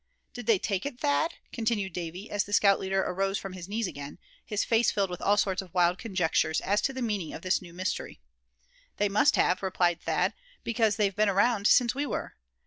"Did they take it, Thad?" continued Davy, as the scout leader arose from his knees again, his face filled with all sorts of wild conjectures as to the meaning of this new mystery. "They must have," replied Thad; "because they've been around since we were.